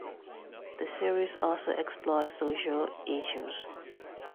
The series also explored social issues.